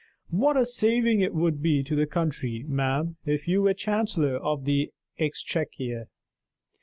"What a saving it would be to the country, ma'am, if you were Chancellor of the Exchequer!"